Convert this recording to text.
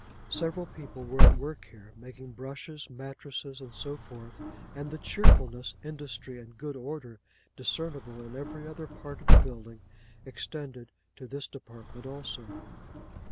Several people were at work here; making brushes, mattresses, and so forth; and the cheerfulness, industry, and good order discernible in every other part of the building, extended to this department also.